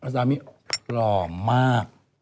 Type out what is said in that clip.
สามีหล่อมาก